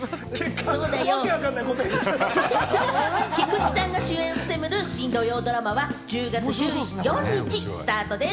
菊池さんが主演を務める新土曜ドラマは１０月１４日スタートです。